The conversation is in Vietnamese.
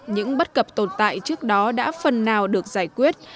những bất cập tồn tại trước đó đã phần nào được giải quyết